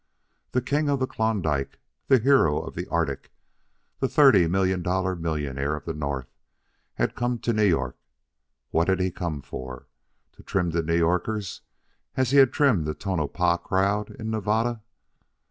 The King of the Klondike, the hero of the Arctic, the thirty million dollar millionaire of the North, had come to New York. What had he come for? To trim the New Yorkers as he had trimmed the Tonopah crowd in Nevada?